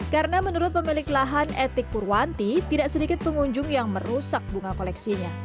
karena menurut pemilik lahan etik purwanti tidak sedikit pengunjung yang merusak bunga koleksinya